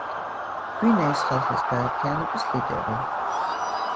გვინეის ხალხის გაერთიანების ლიდერი.